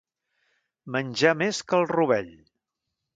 Menjar més que el rovell.